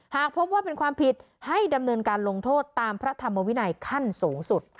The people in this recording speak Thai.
หากพบว่าเป็นความผิดให้ดำเนินการลงโทษตามพระธรรมวินัยขั้นสูงสุด